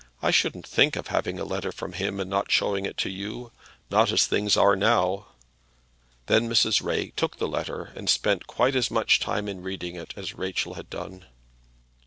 "I shouldn't think of having a letter from him and not showing it to you; not as things are now." Then Mrs. Ray took the letter and spent quite as much time in reading it as Rachel had done.